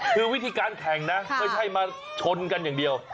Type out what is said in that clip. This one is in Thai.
คือวิธีการแข่งนะไม่ใช่มาชนกันอย่างเดียว